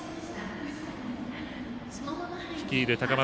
率いる高松